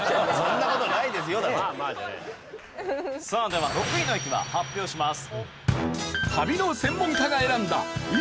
では６位の駅は発表します。